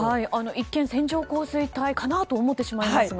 一見、線状降水帯かなと思ってしまいますが。